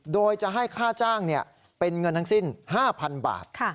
โดยจะให้ค่าจ้างเป็นเงินทั้งสิ้น๕๐๐๐บาท